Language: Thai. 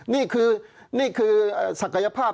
นี่คือศักยภาพ